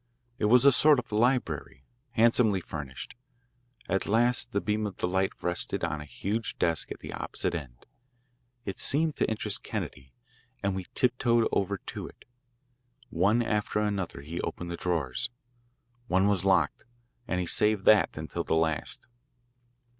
It was a sort of library, handsomely furnished. At last the beam of light rested on a huge desk at the opposite end. It seemed to interest Kennedy, and we tiptoed over to it. One after another he opened the drawers. One was locked, and he saved that until the last.